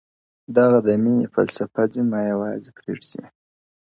دغه د ميني فلسفه ځي ما يوازي پـــــرېـــــــږدي.